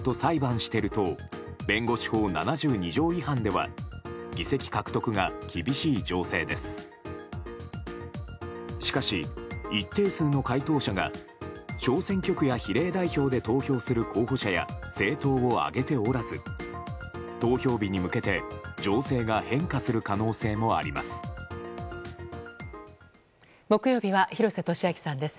しかし、一定数の回答者が小選挙区や比例代表で投票する候補者や政党を挙げておらず投票日に向けて情勢が変化する可能性もあります。